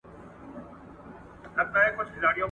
د مسلې په اړه باوري اطلاعات راټول کړئ.